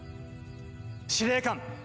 司令官！